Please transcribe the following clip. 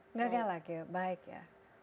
enggak galak ya baik ya